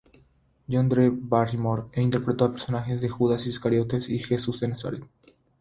John Drew Barrymore interpretó a los personajes de Judas Iscariote y Jesús de Nazaret.